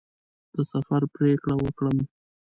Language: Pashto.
د سفر پرېکړه وکړم.